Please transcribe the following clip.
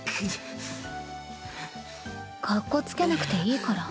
かっこつけなくていいから。